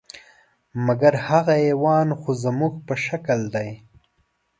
مګر هغه حیوان خو زموږ په شکل دی .